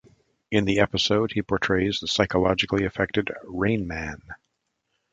In the episode, he portrays the psychologically affected "Rainman".